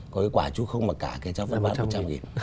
có cái quả chú không mặc cả thì cháu vẫn bán một trăm linh nghìn